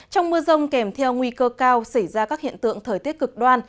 trong mưa rông kèm theo nguy cơ cao xảy ra các hiện tượng thời tiết cực đoan